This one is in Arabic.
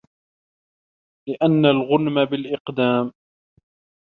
لِأَنَّ الْغُنْمَ بِالْإِقْدَامِ